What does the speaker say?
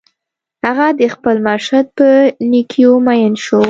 هغه د خپل مرشد په نېکیو مین شو